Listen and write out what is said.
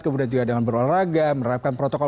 kemudian juga dengan berolahraga menerapkan protokol